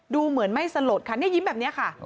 ดูเหมือนไม่สลดค่ะเนี่ยยิ้มแบบนี้ค่ะ